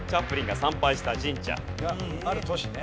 ある都市ね。